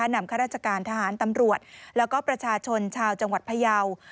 ข้าราชการทหารตำรวจแล้วก็ประชาชนชาวจังหวัดพยาว